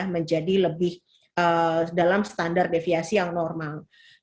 menjadi lebih dalam standar deviasi yang normal